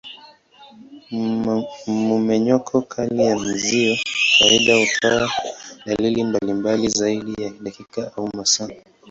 Mmenyuko kali ya mzio kawaida hutoa dalili mbalimbali zaidi ya dakika au masaa.